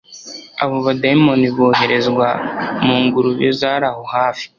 abo badayimoni boherezwa mungurube z'araho hafi